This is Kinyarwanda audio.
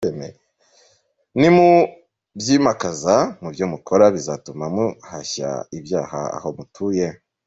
Ni mu byimakaza mu byo mukora bizatuma muhashya ibyaha aho mutuye.